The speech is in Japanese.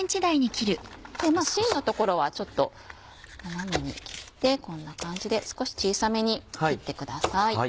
芯の所はちょっと斜めに切ってこんな感じで少し小さめに切ってください。